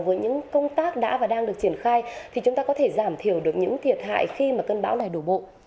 với những công tác đã và đang được triển khai thì chúng ta có thể giảm thiểu được những thiệt hại khi mà cơn bão này đổ bộ